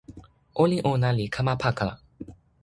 olin ona li kama pakala.